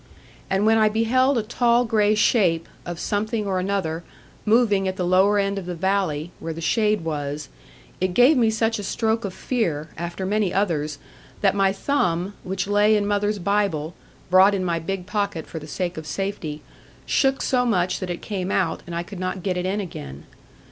And when I beheld a tall grey shape, of something or another, moving at the lower end of the valley, where the shade was, it gave me such a stroke of fear, after many others, that my thumb which lay in mother's Bible (brought in my big pocket for the sake of safety) shook so much that it came out, and I could not get it in again.